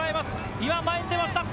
今、前に出ました。